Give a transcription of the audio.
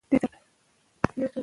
زه هیڅکله په ناوخته راتګ عادت نه یم.